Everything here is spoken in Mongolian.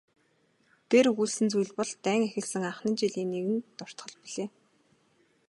Дээр өгүүлсэн зүйл бол дайн эхэлсэн анхны жилийн нэгэн дуртгал билээ.